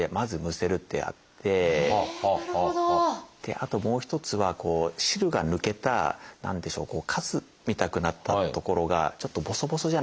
あともう一つは汁が抜けた何でしょうカスみたくなったところがちょっとボソボソじゃないですか。